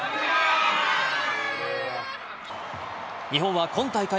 日本は今大会